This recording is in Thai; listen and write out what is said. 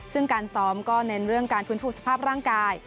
ซึ่งการซ้อมก็เน้นเรื่องการฟื้นฟูสภาพร่างกาย